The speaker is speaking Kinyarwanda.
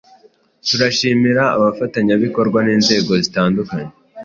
Turashimira abafatanyabikorwa n’inzego zitandukanye